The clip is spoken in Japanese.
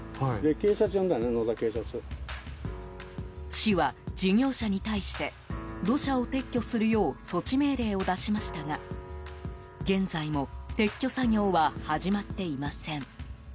市は、事業者に対して土砂を撤去するよう措置命令を出しましたが現在も撤去作業は始まっていません。